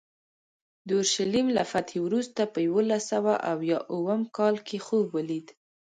د اورشلیم له فتحې وروسته په یوولس سوه اویا اووم کال خوب ولید.